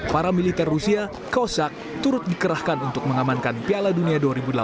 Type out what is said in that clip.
para militer rusia kaoshak turut dikerahkan untuk mengamankan piala dunia dua ribu delapan belas